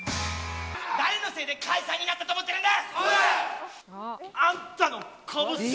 誰のせいで解散になったと思ってるんだ！